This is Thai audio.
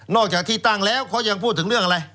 จากที่ตั้งแล้วเขายังพูดถึงเรื่องอะไร